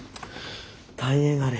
大変あれ。